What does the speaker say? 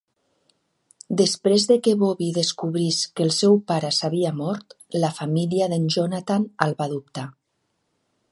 Després de que Bobby descobrís que el seu pare s'havia mort, la família d'en Jonathan el va adoptar.